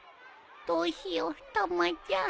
どうしようたまちゃん。